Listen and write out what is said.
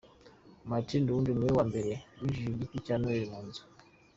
Martin Luther niwe wa mbere winjije igiti cya Noheli mu nzu.